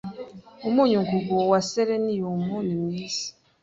Umynyungugu wa selenium nimwiza